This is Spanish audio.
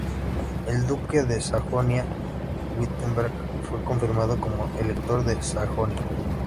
El duque de Sajonia-Wittenberg fue confirmado como elector de Sajonia.